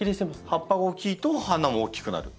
葉っぱが大きいと花も大きくなる。